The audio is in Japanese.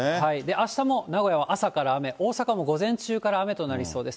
あしたも名古屋は朝から雨、大阪も午前中から雨となりそうです。